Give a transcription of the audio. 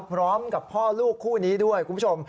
พร้อมกับพ่อลูกคู่นี้ด้วยคุณผู้ชม